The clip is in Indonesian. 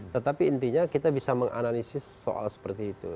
tetapi intinya kita bisa menganalisis soal seperti itu